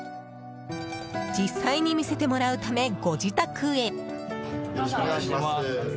実際に見せてもらうためご自宅へ。